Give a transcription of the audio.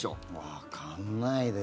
わかんないですね。